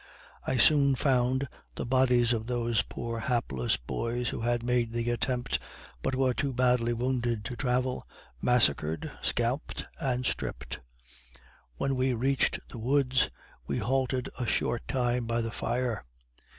I soon found the bodies of those poor hapless boys who had made the attempt, but were too badly wounded to travel, massacred, scalped, and stripped. When we reached the woods, we halted a short time by the fire.